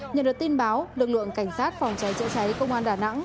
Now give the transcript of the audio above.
nhận được tin báo lực lượng cảnh sát phòng cháy chữa cháy công an đà nẵng